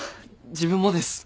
自分もです。